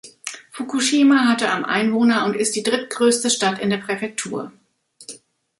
Fukushima hatte am Einwohner und ist die drittgrößte Stadt in der Präfektur.